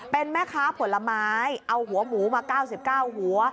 เป็นแม่ค้าผลไม้เอาหัวหมูมา๙๙หัว